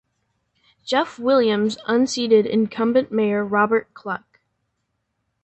Jeff Williams unseated incumbent mayor Robert Cluck.